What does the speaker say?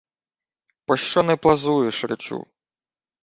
— Пощо не плазуєш, речу?